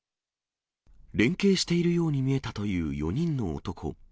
連携しているように見えたという４人の男。